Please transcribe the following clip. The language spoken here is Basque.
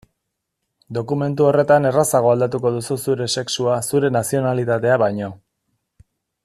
Dokumentu horretan errazago aldatuko duzu zure sexua zure nazionalitatea baino.